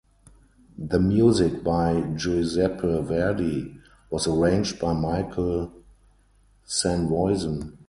The music, by Giuseppe Verdi, was arranged by Michael Sanvoisin.